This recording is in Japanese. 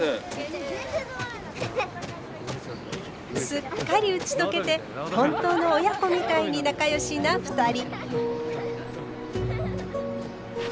すっかり打ち解けて本当の親子みたいに仲良しな２人。